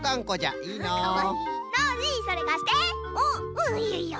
うんいいよいいよ。